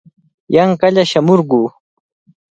Yanqalla shamurquu.